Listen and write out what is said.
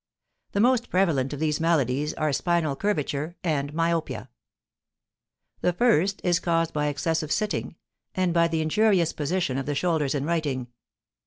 The most prevalent of these maladies are spinal curvature and myopia. The first is caused by excessive sitting, and by the injurious position of the shoulders in writing.